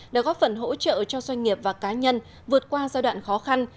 đã góp phần hỗ trợ cho doanh nghiệp và cá nhân vượt qua giai đoạn khó khăn